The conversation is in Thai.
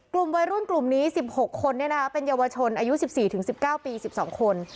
กลุ่มวัยรุ่นกลุ่มนี้สิบหกคนเนี่ยนะคะเป็นเยาวชนอายุสิบสี่ถึงสิบเก้าปีสิบสองคน